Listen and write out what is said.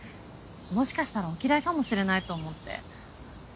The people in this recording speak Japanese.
もしかしたらお嫌いかもしれないと思って。